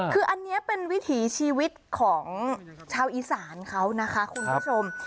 คืออันนี้เป็นวิถีชีวิตของชาวอีสานเขานะคะคุณผู้ชม